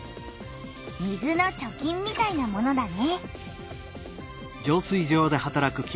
「水の貯金」みたいなものだね。